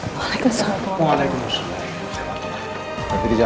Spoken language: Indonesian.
berikibat lagi ya saya